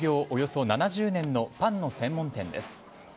およそ７０年のパンの専門店です。